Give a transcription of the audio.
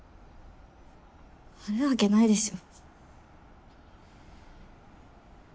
あるわけないでしょ。